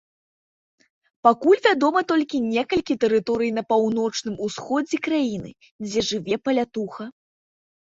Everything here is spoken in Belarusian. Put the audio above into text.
Пакуль вядома толькі некалькі тэрыторый на паўночным усходзе краіны, дзе жыве палятуха.